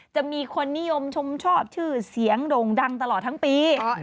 จะมีคนนิยมชมชอบชื่อเสียงโด่งดังตลอดทั้งปี